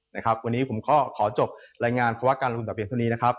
วันนี้ผมขอจบรายงานเพราะว่าการลงทุนต่อไปอย่างเท่านี้นะครับ